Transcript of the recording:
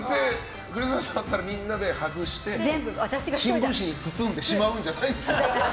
クリスマス終わったらみんなで外して新聞紙に包んでしまうんじゃないですか？